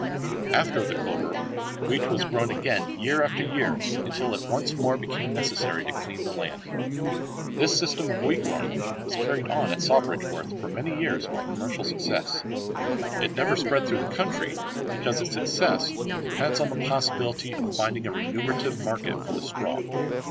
After the clover, wheat was grown again year after year until it once more became necessary to clean the land. This system of wheat growing was carried on at Sawbridgeworth for many years with commercial success. It never spread through the country because its success depends on the possibility of finding a remunerative market for the straw.